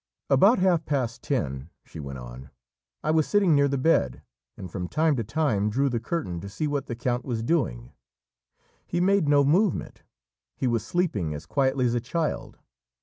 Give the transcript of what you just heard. "About half past ten," she went on, "I was sitting near the bed, and from time to time drew the curtain to see what the count was doing; he made no movement; he was sleeping as quietly as a child.